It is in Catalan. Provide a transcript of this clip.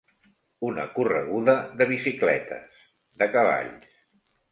Una correguda de bicicletes, de cavalls.